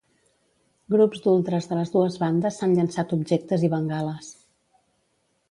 Grups d’ultres de les dues bandes s’han llançat objectes i bengales.